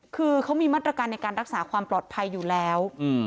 คือเขามีมาตรการในการรักษาความปลอดภัยอยู่แล้ว